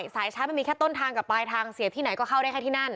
สายชาร์จมันมีแค่ต้นทางกับปลายทางเสียที่ไหนก็เข้าได้แค่ที่นั่น